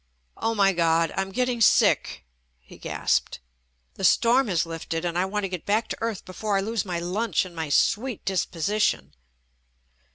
"Oh, my God, I'm getting sick," he gasped. "The storm has lifted, and I want to get back to earth before I lose my lunch and my sweet disposition."